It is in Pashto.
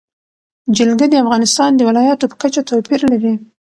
جلګه د افغانستان د ولایاتو په کچه توپیر لري.